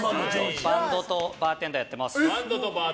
バンドとバーテンダーやってます。